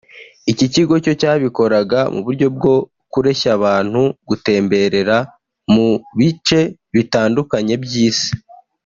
Iki kigo cyo cyabikoraga mu buryo bwo kureshya abantu gutemberera mu bice bitandukanye by’Isi